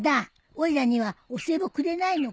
おいらにはお歳暮くれないのかい？